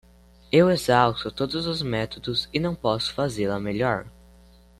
Eu exausto todos os métodos e não posso fazê-la melhor.